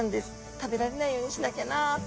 食べられないようにしなきゃなと！